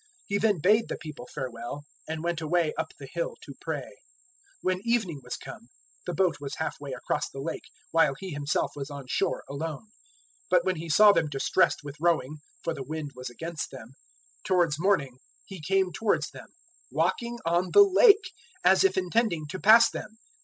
006:046 He then bade the people farewell, and went away up the hill to pray. 006:047 When evening was come, the boat was half way across the Lake, while he Himself was on shore alone. 006:048 But when He saw them distressed with rowing (for the wind was against them), towards morning He came towards them walking on the Lake, as if intending to pass them.